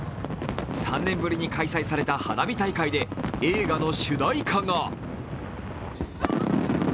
３年ぶりに開催された花火大会で映画の主題歌が。